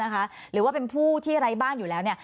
หรือว่าเป็นผู้ที่ไร้บ้านอยู่แล้ว